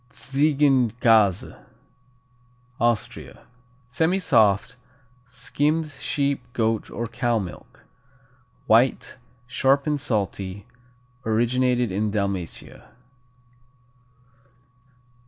Tzigenkäse Austria Semisoft; skimmed sheep, goat or cow milk. White; sharp and salty; originated in Dalmatia.